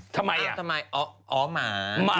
ไปอ่ะทำไมอ๋อหมา